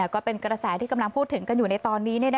ก็เป็นกระแสที่พูดถึงอยู่ในตอนนี้